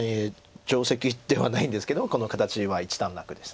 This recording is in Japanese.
定石ではないんですけどこの形は一段落です。